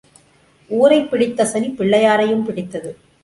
ஊரைப் பிடித்த சனி பிள்ளையாரையும் பிடித்தது.